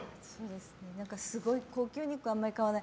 すごい高級肉はあまり買わない。